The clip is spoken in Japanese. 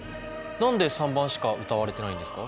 何で３番しか歌われてないんですか？